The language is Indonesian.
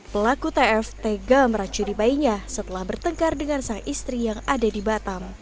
pelaku tf tega meracuni bayinya setelah bertengkar dengan sang istri yang ada di batam